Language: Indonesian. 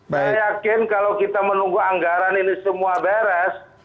saya yakin kalau kita menunggu anggaran ini semua beres